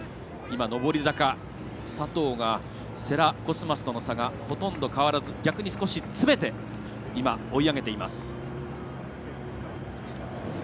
上り坂、佐藤が世羅、コスマスとの差がほとんど変わらず逆に少し詰めて今、追い上げています。